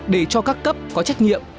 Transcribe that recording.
để cho các cấp có trách nhiệm